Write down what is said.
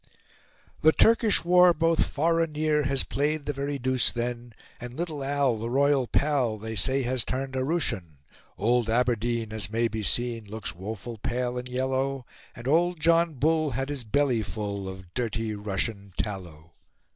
(*)"The Turkish war both far and near Has played the very deuce then, And little Al, the royal pal, They say has turned a Russian; Old Aberdeen, as may be seen, Looks woeful pale and yellow, And Old John Bull had his belly full Of dirty Russian tallow."